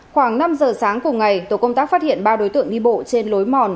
khoảng năm giờ sáng cùng ngày tổ công tác phát hiện ba đối tượng đi bộ trên lối mòn